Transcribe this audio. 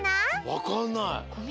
わかんない。